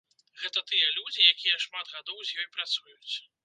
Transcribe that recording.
Гэта тыя людзі, якія шмат гадоў з ёй працуюць.